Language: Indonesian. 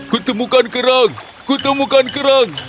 kutemukan kerang kutemukan kerang